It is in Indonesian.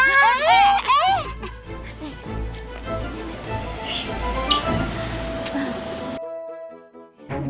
oke kalo ngesel lebih datang